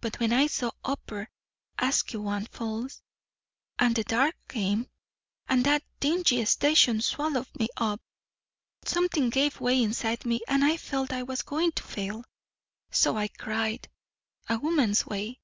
But when I saw Upper Asquewan Falls, and the dark came, and that dingy station swallowed me up, something gave way inside me and I felt I was going to fail. So I cried. A woman's way."